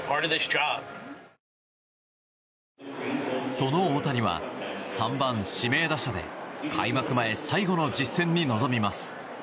その大谷は３番、指名打者で開幕前最後の実戦に臨みます。